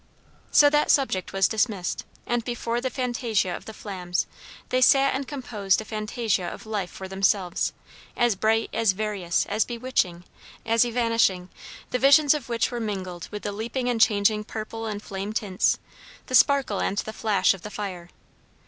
So that subject was dismissed; and before the fantasia of the flames they sat and composed a fantasia of life for themselves; as bright, as various, as bewitching, as evanishing; the visions of which were mingled with the leaping and changing purple and flame tints, the sparkle and the flash of the fire.